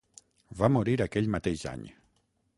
Va morir aquell mateix any.